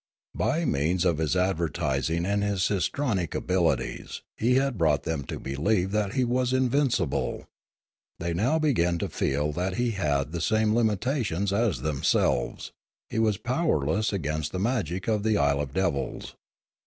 By means of his advertising and his histrionic abilities he had brought them to believe that he was invincible; they now began to feel that he had the same limitations as themselves: he was powerless against the magic of the Isle of Devils.